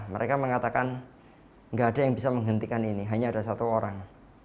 mereka mengatakan nggak ada yang bisa menghentikan ini hanya ada satu orang